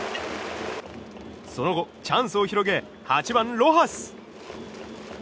その後、チャンスを広げ８番、ロハス。